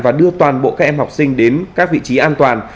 và đưa toàn bộ các em học sinh đến các vị trí an toàn